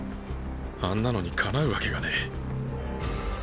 あんなのにかなうわけがねぇ。